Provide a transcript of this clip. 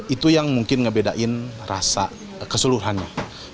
itu yang mungkin ngebedain rasa keseluruhannya